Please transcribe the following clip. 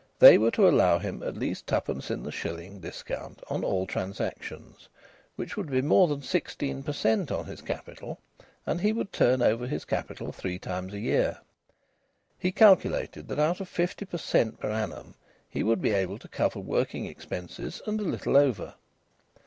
They were to allow him at least twopence in the shilling discount on all transactions, which would be more than 16 per cent. on his capital; and he would turn over his capital three times a year. He calculated that out of 50 per cent. per annum he would be able to cover working expenses and a little over.